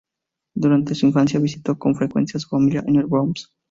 Durante su infancia visitó con frecuencia a su familia en el Bronx.